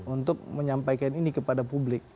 untuk menyampaikan ini kepada publik